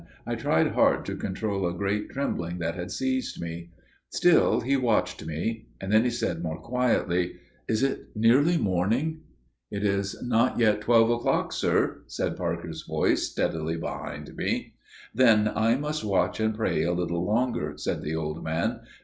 I tried hard to control a great trembling that had seized me. Still he watched me. Then he said more quietly: "Is it nearly morning?" "It is not yet twelve o'clock, sir," said Parker's voice steadily behind me. "Then I must watch and pray a little longer," said the old man.